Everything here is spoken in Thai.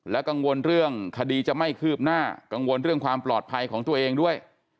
กังวลเรื่องคดีจะไม่คืบหน้ากังวลเรื่องความปลอดภัยของตัวเองด้วย